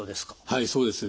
はいそうです。